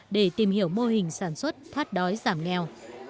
để tìm hiểu mô hình sản xuất thoát đói giảm nghèo